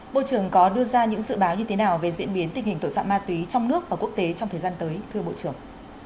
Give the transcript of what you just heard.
bộ trưởng có đưa ra những dự báo như thế nào về diễn biến tình hình tội phạm ma túy trong nước và quốc tế trong thời gian tới thưa bộ trưởng